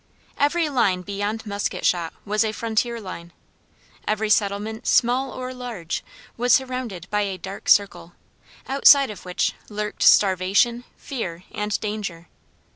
Every line beyond musket shot was a frontier line. Every settlement, small or large, was surrounded by a dark circle, outside of which lurked starvation, fear, and danger.